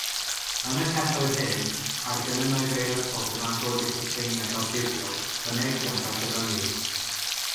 Yn y celloedd hyn, mae'r genynnau feirysol sy'n amgodio proteinau gorchuddiol fynegiant a gyfyngir.